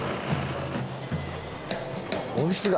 オフィス街